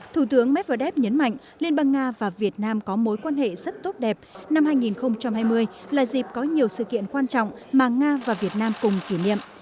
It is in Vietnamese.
thủ tướng medvedev nhấn mạnh liên bang nga và việt nam có mối quan hệ rất tốt đẹp năm hai nghìn hai mươi là dịp có nhiều sự kiện quan trọng mà nga và việt nam cùng kỷ niệm